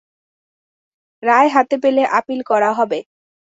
রায় হাতে পেলে আপিল করা হবে।